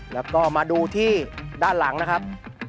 แล้วก็มาดูที่ด้านหลังนะครับ